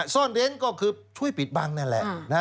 ซ่อนเร้นก็คือช่วยปิดบังนั่นแหละ